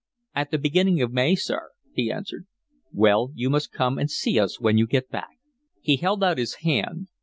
"At the beginning of May, sir," he answered. "Well, you must come and see us when you get back." He held out his hand.